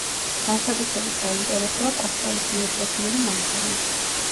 განსაკუთრებით საინტერესოა პასკალის მიერ შექმნილი მანქანა.